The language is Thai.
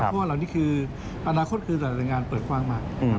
เพราะว่าอันนี้คืออนาคตคือหลายงานเปิดฟังมา